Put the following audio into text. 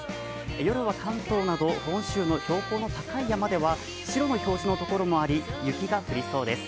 夜は関東など本州の標高の高い山では白の表示のところもあり、雪が降りそうです。